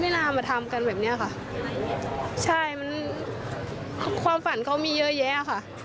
น่ามาทำกันแบบเนี้ยค่ะใช่มันความฝันเขามีเยอะแยะค่ะ